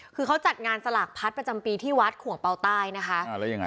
คือเขาจัดงานสลากพัดประจำปีที่วัดขวงเปาใต้นะคะอ่าแล้วยังไง